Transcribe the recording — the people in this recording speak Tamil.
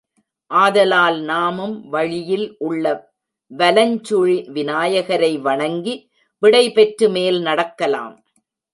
ஆதலால் நாமும் வழியில் உள்ள வலஞ்சுழி விநாயகரை வணங்கி விடை பெற்று மேல் நடக்கலாம்.